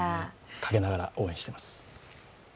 影ながら応援しています。